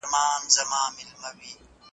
د بد ژوند دنيوي او اخروي عواقب ورته بيان کړي.